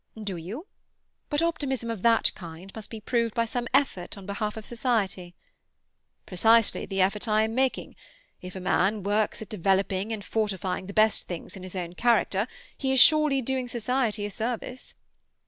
"Do you? But optimism of that kind must be proved by some effort on behalf of society." "Precisely the effort I am making. If a man works at developing and fortifying the best things in his own character, he is surely doing society a service."